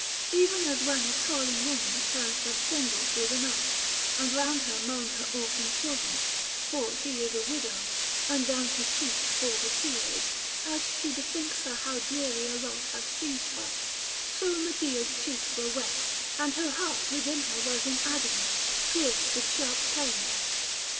Even as when a toiling woman turns her spindle through the night, and round her moan her orphan children, for she is a widow, and down her cheeks fall the tears, as she bethinks her how dreary a lot hath seized her; so Medea's cheeks were wet; and her heart within her was in agony, pierced with sharp pain.